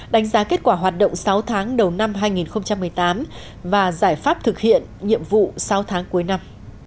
đánh giá kết quả hoạt động sáu tháng đầu năm hai nghìn một mươi tám và giải pháp thực hiện nhiệm vụ sáu tháng cuối năm